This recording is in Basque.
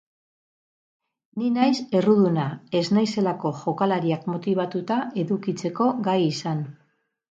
Ni naiz erruduna, ez naizelako jokalariak motibatuta edukitzeko gai izan.